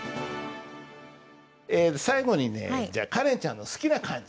最後にねじゃあカレンちゃんの好きな漢字。